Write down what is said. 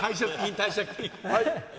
退職金。